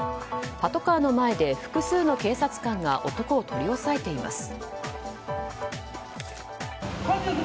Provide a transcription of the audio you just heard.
パトカーの前で複数の警察官が男を取り押さえています。